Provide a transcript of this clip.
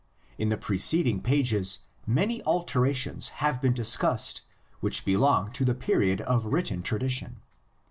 In the preceding pages many altera tions have been discussed which belong to the period of written tradition.